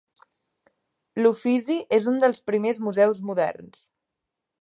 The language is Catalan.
L'Uffizi és un dels primers museus moderns.